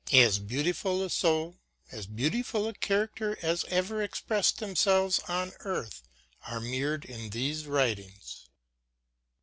As beautiful a soul, as beautiful a character as ever expressed themselves on earth are mirrored in these writings.